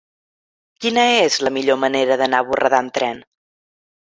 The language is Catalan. Quina és la millor manera d'anar a Borredà amb tren?